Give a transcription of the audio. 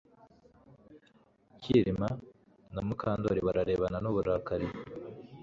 Kirima na Mukandoli bararebana nuburakari